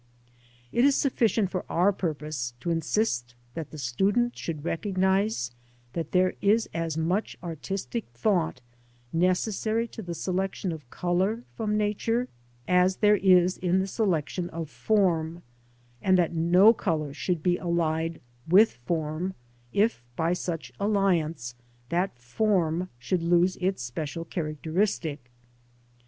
It is sufficient for our purpose to insist that the student should recognise that there is as much artistic thought necessary to th e selection of colour from Nature , as there is in the selection of form, and that no colour should be allied with form, if by such alliance that form should lose its special characteristic.